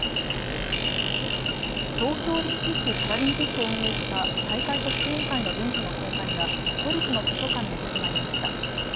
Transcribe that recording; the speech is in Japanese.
東京オリンピック・パラリンピックを運営した大会組織委員会の文書の公開が都立の図書館で始まりました。